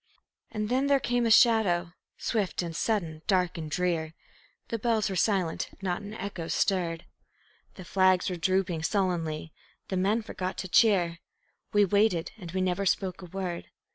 And then there came a shadow, swift and sudden, dark and drear; The bells were silent, not an echo stirred. The flags were drooping sullenly, the men forgot to cheer; We waited, and we never spoke a word.